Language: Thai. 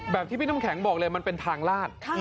แบบที่พี่น้ำแข็งบอกเลยมันเป็นทางลาด